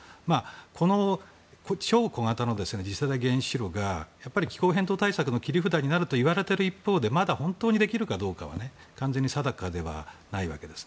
この超小型の次世代原子炉が気候変動対策の切り札になるといわれている一方でまだ本当にできるかどうかは完全に定かではないわけです。